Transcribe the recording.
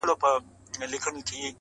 تر قیامته به یې حرف ویلی نه وای!!